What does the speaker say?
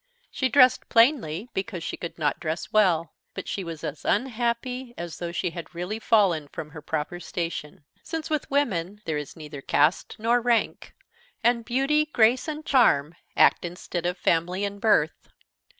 She dressed plainly because she could not dress well, but she was as unhappy as though she had really fallen from her proper station; since with women there is neither caste nor rank; and beauty, grace, and charm act instead of family and birth.